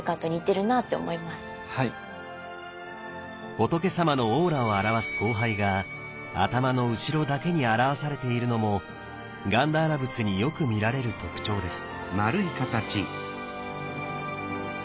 仏さまのオーラを表す光背が頭の後ろだけに表されているのもガンダーラ仏によく見られる特徴です。